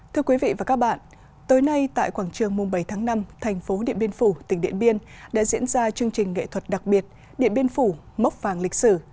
thưa quý vị và các bạn tối nay tại quảng trường mùng bảy tháng năm thành phố điện biên phủ tỉnh điện biên đã diễn ra chương trình nghệ thuật đặc biệt điện biên phủ mốc vàng lịch sử